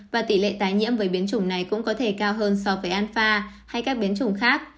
và tỷ lệ tái nhiễm với biến chủng này cũng có thể cao hơn so với anpha hay các biến chủng khác